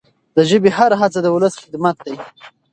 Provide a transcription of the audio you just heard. د ژبي هره هڅه د ولس خدمت دی.